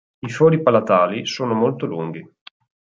I fori palatali sono molto lunghi.